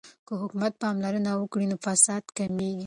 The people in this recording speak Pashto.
که حکومت پاملرنه وکړي نو فساد کمیږي.